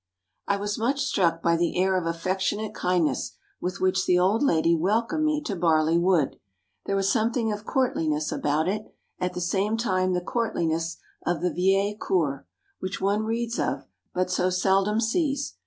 _] "I was much struck by the air of affectionate kindness with which the old lady welcomed me to Barley Wood there was something of courtliness about it, at the same time the courtliness of the vieille cour, which one reads of, but so seldom sees.